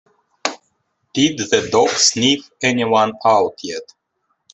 Did the dog sniff anyone out yet?